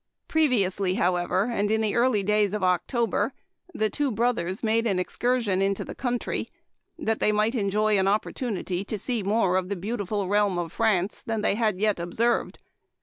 Previously, however, and in the early days of October, the two brothers made an ex cursion into the country, that they might enjoy an opportunity to see more of the beautiful realm of France than they had yet observed.